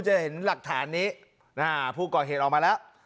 จะเห็นหลักฐานนี้ผู้ก่อเหตุออกมาแล้ว